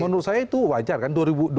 menurut saya itu wajar kan